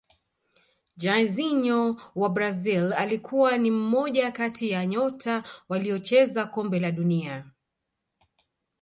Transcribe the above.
jairzinho wa brazil alikuwa ni mmoja kati ya nyota waliocheza kombe la dunia